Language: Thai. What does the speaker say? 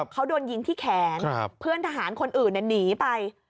เขาโดนยิงที่แขนเพื่อนทหารคนอื่นหนีไป